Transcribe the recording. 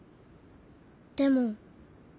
でも。